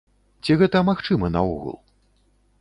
Ці гэта магчыма наогул?